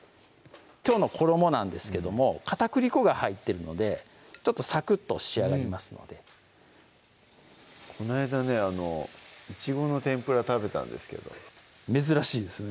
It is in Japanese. きょうの衣なんですけども片栗粉が入ってるのでちょっとサクッと仕上がりますのでこないだねいちごの天ぷら食べたんですけど珍しいですね